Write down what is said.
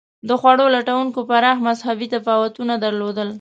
د خوړو لټونکو پراخ مذهبي تفاوتونه درلودل.